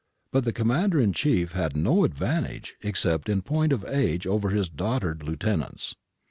But the commander in chief had no advantage except in point of age over his dotard lieutenants.